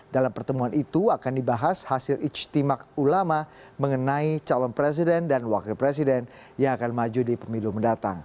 dalam pertemuan itu akan dibahas hasil ijtimak ulama mengenai calon presiden dan wakil presiden yang akan maju di pemilu mendatang